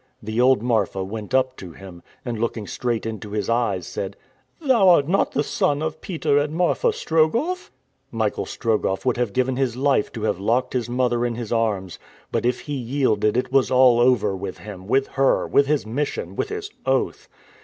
The old Marfa went up to him, and, looking straight into his eyes, said, "Thou art not the son of Peter and Marfa Strogoff?" Michael Strogoff would have given his life to have locked his mother in his arms; but if he yielded it was all over with him, with her, with his mission, with his oath!